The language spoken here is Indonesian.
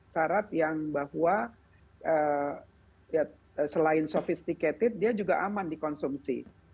syarat yang bahwa selain sophisticated dia juga aman dikonsumsi